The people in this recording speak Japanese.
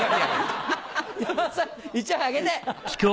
山田さん１枚あげて！